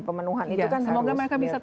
pemenuhan itu kan harus tetap berlanjut